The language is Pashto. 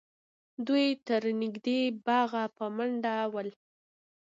دوی تر نږدې باغه په منډه ول